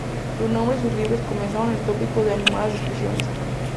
Su nombre y sus libros comenzaron el tópico de animadas discusiones.